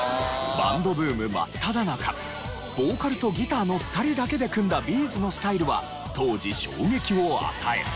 バンドブーム真っただ中ボーカルとギターの２人だけで組んだＢ’ｚのスタイルは当時衝撃を与え。